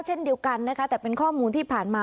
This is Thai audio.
เช่นเดียวกันนะคะแต่เป็นข้อมูลที่ผ่านมา